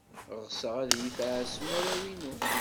Ɣseɣ ad iyi-tɛassem arraw-inu.